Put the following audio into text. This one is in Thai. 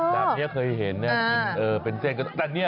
แบบนี้เคยเห็นนะ